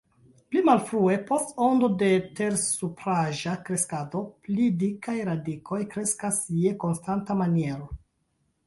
Pli malfrue, post ondo de tersupraĵa kreskado, pli dikaj radikoj kreskas je konstanta maniero.